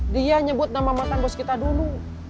dia nyebut nama mantan bos kita dulu